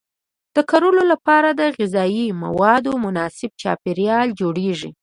د کرلو لپاره د غذایي موادو مناسب چاپیریال جوړیږي.